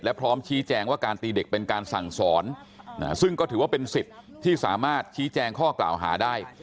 พร้อมชี้แจงว่าการตีเด็กเป็นการสั่งสอนซึ่งก็ถือว่าเป็นสิทธิ์ที่สามารถชี้แจงข้อกล่าวหาได้